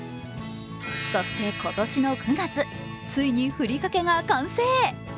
そして今年の９月、ついにふりかけが完成。